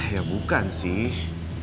ya bukan sih